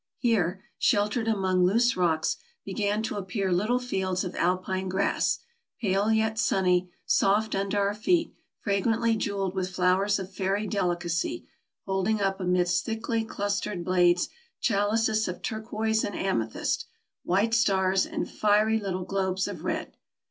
Here, shel tered among loose rocks, began to appear little fields of alpine grass, pale yet sunny, soft under our feet, fragrantly jeweled with flowers of fairy delicacy, holding up amid thickly clustered blades chalices of turquoise and amethyst, white stars, and fiery little globes of red.